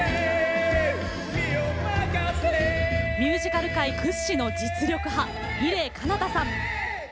ミュージカル界屈指の実力派伊礼彼方さん。